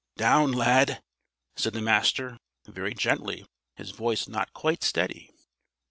"Down, Lad!" said the Master very gently, his voice not quite steady.